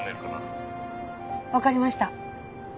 わかりました。